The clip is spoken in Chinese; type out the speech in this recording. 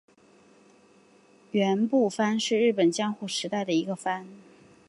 园部藩是日本江户时代的一个藩。